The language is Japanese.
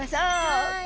はい。